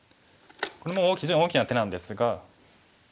これも非常に大きな手なんですが。